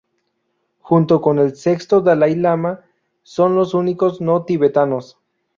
Junto con el sexto dalái lama, son los únicos no tibetanos.